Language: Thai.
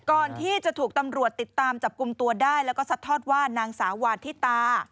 ก่อนที่จะถูกตำรวจติดตามจับกลุ่มตัวได้แล้วก็ซัดทอดว่านางสาววาทิตา